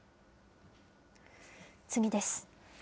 次です。